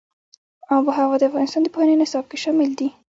آب وهوا د افغانستان د پوهنې نصاب کې شامل دي.